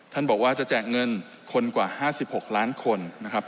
ท่านบอกว่าจะแจกเงินคนกว่า๕๖ล้านคนนะครับ